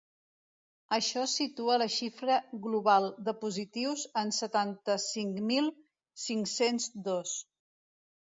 Això situa la xifra global de positius en setanta-cinc mil cinc-cents dos.